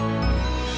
ini udah santai keles